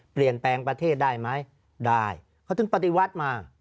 เปลี่ยนแปลงประเทศได้ไหมได้เขาถึงปฏิวัติมา